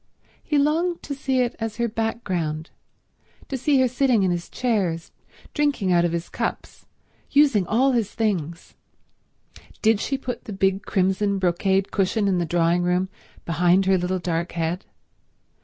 He longed to see it as her background, to see her sitting in his chairs, drinking out of his cups, using all his things. Did she put the big crimson brocade cushion in the drawing room behind her little dark head?